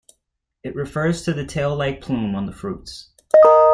It refers to the tail-like plume on the fruits.